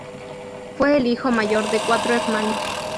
Fue el hijo mayor de cuatro hermanos.